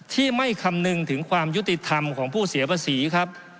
ที่ไม่คำนึงถึงความยุติธรรมของผู้เสียภาษีครับ